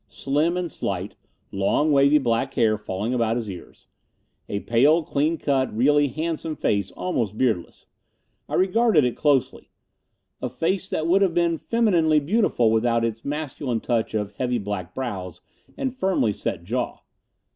Slim and slight. Long, wavy black hair, falling about his ears. A pale, clean cut, really handsome face, almost beardless. I regarded it closely. A face that would have been femininely beautiful without its masculine touch of heavy black brows and firmly set jaw.